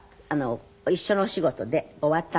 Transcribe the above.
一緒のお仕事で終わったのね。